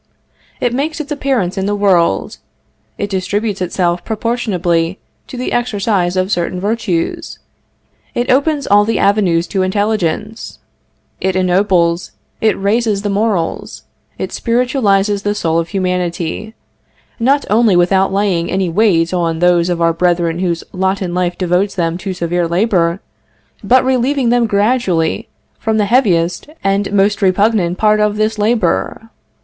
It makes its appearance in the world; it distributes itself proportionably to the exercise of certain virtues; it opens all the avenues to intelligence; it ennobles, it raises the morals; it spiritualizes the soul of humanity, not only without laying any weight on those of our brethren whose lot in life devotes them to severe labor, but relieving them gradually from the heaviest and most repugnant part of this labor.